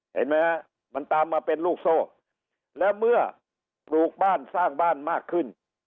เห็นไหมฮะมันตามมาเป็นลูกโซ่แล้วเมื่อปลูกบ้านสร้างบ้านมากขึ้น